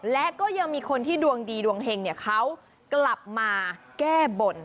แล้วก็ยังมีคนที่ดวงดีดวงแห่งเนี่ยเขากลับมาแก้บน